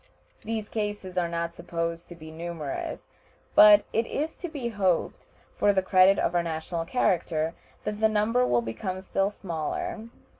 These cases are not supposed to be numerous, but it is to be hoped, for the credit of our national character, that the number will become still smaller.